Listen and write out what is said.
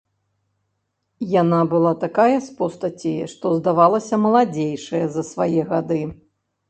Яна была такая з постаці, што здавалася маладзейшая за свае гады.